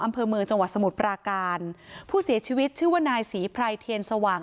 อำเภอเมืองจังหวัดสมุทรปราการผู้เสียชีวิตชื่อว่านายศรีไพรเทียนสว่าง